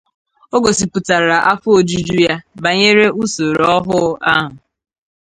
O gosipụtara afọ ojuju ya banyere usoro ọhụụ ahụ